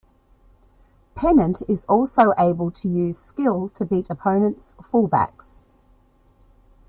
Pennant is also able to use skill to beat opponents' full backs.